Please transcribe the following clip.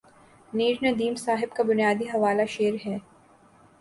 نیّرندیم صاحب کا بنیادی حوالہ شعر ہے